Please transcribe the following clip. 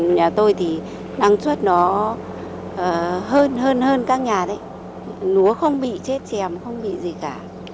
nhà tôi thì năng suất nó hơn hơn các nhà đấy lúa không bị chết chèm không bị gì cả